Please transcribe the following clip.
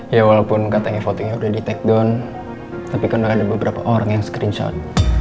ya walaupun katanya fotonya udah di take down tapi karena ada beberapa orang yang screenshot